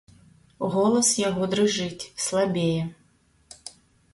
Голас яго дрыжыць, слабее.